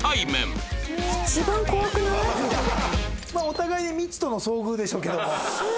お互いに未知との遭遇でしょうけども。